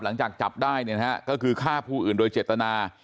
หลังจากจับได้เนี่ยนะฮะก็คือฆ่าผู้อื่นโดยเจตนา